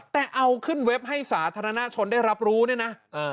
แต่เอาขึ้นเว็บให้สาธารณชนได้รับรู้เนี่ยนะ